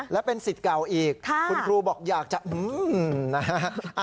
และเป็นสิทธิ์เก่าอีกคุณครูบอกอยากจะอื้อหือหือ